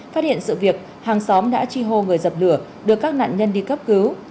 phát hiện sự việc hàng xóm đã chi hô người dập lửa đưa các nạn nhân đi cấp cứu